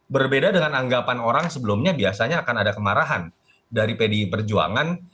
berbeda dengan anggapan orang sebelumnya biasanya akan ada kemarahan dari pdi perjuangan